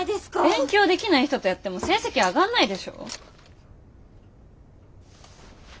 勉強できない人とやっても成績上がんないでしょ。